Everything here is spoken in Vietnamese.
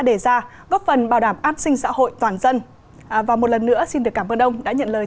đề ra góp phần bảo đảm an sinh xã hội toàn dân và một lần nữa xin được cảm ơn ông đã nhận lời